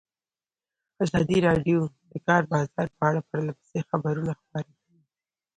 ازادي راډیو د د کار بازار په اړه پرله پسې خبرونه خپاره کړي.